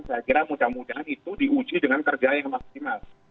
saya kira mudah mudahan itu diuji dengan kerja yang maksimal